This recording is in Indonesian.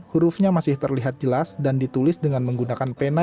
hurufnya masih terlihat jelas dan ditulis dengan menggunakan pena